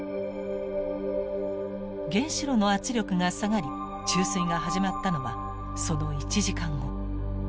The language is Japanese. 原子炉の圧力が下がり注水が始まったのはその１時間後。